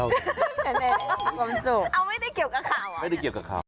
เอาไม่ได้เกี่ยวกับข่าว